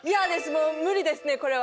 もうムリですねこれは。